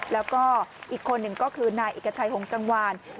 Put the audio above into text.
แล้วก็อีกคนหนึ่งก็คือนายเอกชัยหงกังวาน